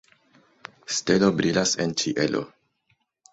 Stelo brilas en ĉielo.